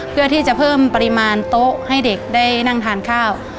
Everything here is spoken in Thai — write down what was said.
เพื่อที่จะเพิ่มปริมาณโต๊ะให้เด็กได้นั่งทานข้าว